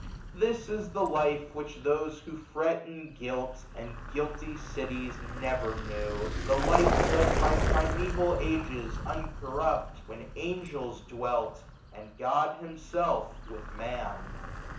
1345 This is the life which those who fret in guilt. And guilty cities, never knew ; the life. Led by primeval ages, uncorrupt. When angels dwelt, and God himself, with Man.